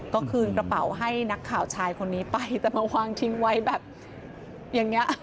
ก็คืนกระเป๋าให้นักข่าวชายคนนี้ไปแต่มาวางทิ้งไว้แบบอย่างนี้